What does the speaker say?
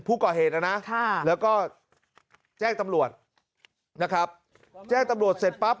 ผู้ก่อเหตุนะนะแล้วก็แจ้งตำรวจนะครับแจ้งตำรวจเสร็จปั๊บ